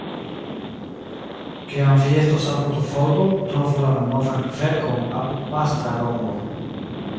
Kiam vi estos apud Volgo, trovu la malnovan kverkon apud Pastra Rondo.